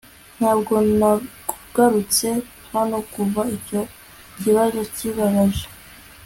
ntabwo nagarutse hano kuva icyo kibazo kibabaje